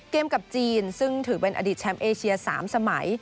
กับจีนซึ่งถือเป็นอดีตแชมป์เอเชีย๓สมัย